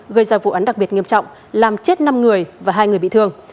gây ra vụ án đặc biệt nghiêm trọng làm chết năm người và hai người bị thương